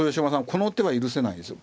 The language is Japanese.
この手は許せないですよ。